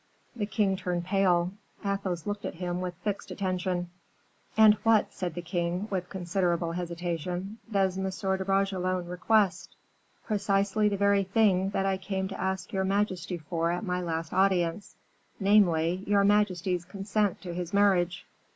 The king turned pale; Athos looked at him with fixed attention. "And what," said the king, with considerable hesitation, "does M. de Bragelonne request?" "Precisely the very thing that I came to ask your majesty for at my last audience, namely, your majesty's consent to his marriage."